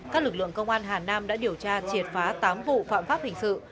các lực lượng công an hà nam đã điều tra triệt phá tám vụ phạm pháp hình sự